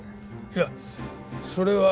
いやそれは。